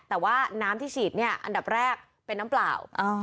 แต่ว่าน้ำที่ฉีดเนี่ยอันดับแรกเป็นน้ำเปล่า